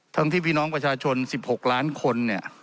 ทั้งที่พี่น้องประชาชน๑๖ล้านคนเนี่ย